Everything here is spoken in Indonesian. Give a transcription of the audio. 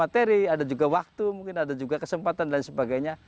ada juga bentuk materi ada juga waktu mungkin ada juga kesempatan dan sebagainya